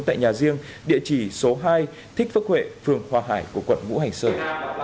tại nhà riêng địa chỉ số hai thích phước huệ phường hòa hải của quận ngũ hành sơn